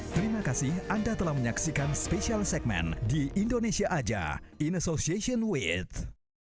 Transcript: terima kasih anda telah menyaksikan special segmen di indonesia aja in association with